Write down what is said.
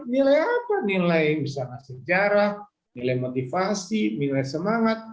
nilai apa nilai misalnya sejarah nilai motivasi nilai semangat